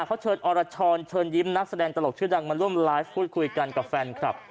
เขาเชิญอรชรเชิญยิ้มนักแสดงตลกชื่อดังมาร่วมไลฟ์พูดคุยกันกับแฟนคลับ